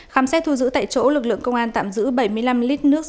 khám xét thu giữ tại chỗ lực lượng công an tạm giữ bảy mươi năm lít nước